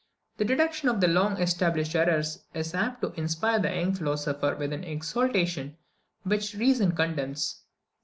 The detection of long established errors is apt to inspire the young philosopher with an exultation which reason condemns.